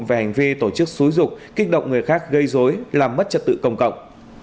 về hành vi tổ chức xúi dục kích động người khác gây dối làm mất trật tự công cộng